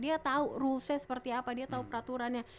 dia tahu rulesnya seperti apa dia tahu peraturannya